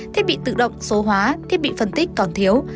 thiết bị tự động số hóa thiết bị phân tích còn thiếu